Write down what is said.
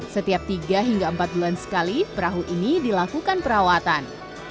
setiap tiga hingga empat bulan sekali perahu ini dilakukan perawatan